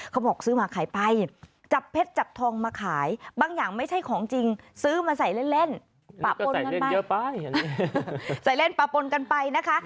เขาบอกซื้อมาขายไปจับเพชรจับทองมาขายบางอย่างไม่ใช่ของจริงซื้อมาใส่เล่นปะปนกันไปเยอะไปใส่เล่นปะปนกันไปนะคะ